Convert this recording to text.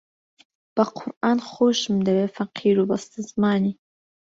بە قورئان خۆشم دەوێ فەقیر و بەستەزمانی